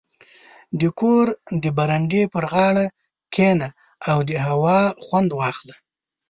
• د کور د برنډې پر غاړه کښېنه او د هوا خوند واخله.